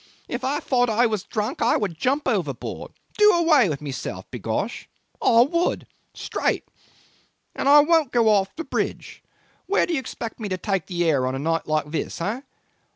If I thought I was drunk I would jump overboard do away with myself, b'gosh. I would! Straight! And I won't go off the bridge. Where do you expect me to take the air on a night like this, eh?